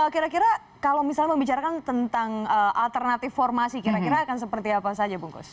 kira kira kalau misalnya membicarakan tentang alternatif formasi kira kira akan seperti apa saja bungkus